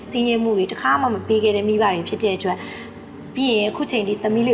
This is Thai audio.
หรือที่จะอยู่ที่มุรีวิทยาลังกาย